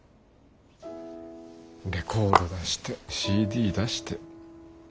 レコード出してＣＤ出して。